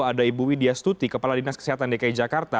ada ibu widya stuti kepala dinas kesehatan dki jakarta